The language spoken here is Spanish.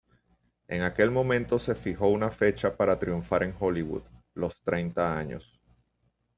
En aquel momento se fijó una fecha para triunfar en Hollywood: los treinta años.